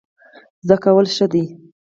زده کول ښه دی.